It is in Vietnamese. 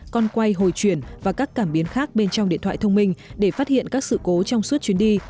còn quay hồi chuyển và các cảm biến khác bên trong điện thoại thông minh để phát hiện các sự cố trong suốt chuyến đi